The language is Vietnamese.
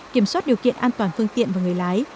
kiểm soát điều kiện an toàn phương tiện và người lái